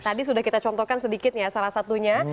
tadi sudah kita contohkan sedikit ya salah satunya